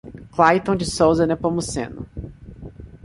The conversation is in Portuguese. Claiton de Souza Nepomuceno